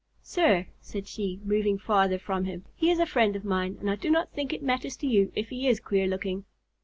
"Sir," said she, moving farther from him, "he is a friend of mine, and I do not think it matters to you if he is queer looking."